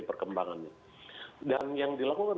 perkembangannya dan yang dilakukan